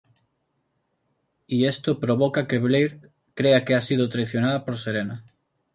Y esto provoca que Blair crea que ha sido traicionada por Serena.